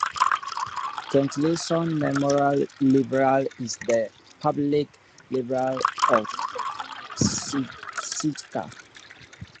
Kettleson Memorial Library is the public library for Sitka.